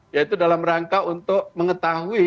yaitu dalam rangka untuk mengetahui